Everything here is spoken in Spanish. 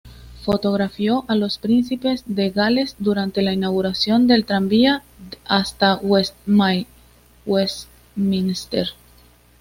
Fotografió a los Príncipes de Gales durante la inauguración del tranvía hasta Westminster.